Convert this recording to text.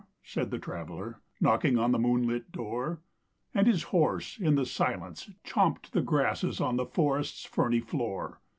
said the Traveler, Knocking on the moonlit door; And his horse in the silence chomped the grasses Of the forest's ferny floor.